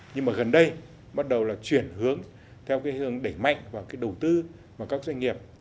nhưng mà gần đây bắt đầu là chuyển hướng theo cái hướng đẩy mạnh vào cái đầu tư mà các doanh nghiệp